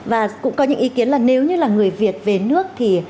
và cũng có những ý kiến là nếu như là người việt về nước thì